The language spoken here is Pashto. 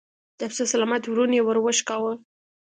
د پسه سلامت ورون يې ور وشکاوه.